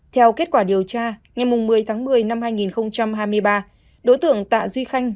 theo kết quả điều tra ngày một mươi tháng một mươi năm hai nghìn hai mươi ba đối tượng tạ duy khanh